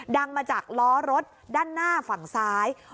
ดังมาจากล้อรถด้านหน้าฝั่งซ้าย